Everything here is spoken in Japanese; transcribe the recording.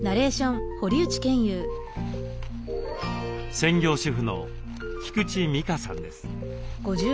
専業主婦の菊池美香さんです。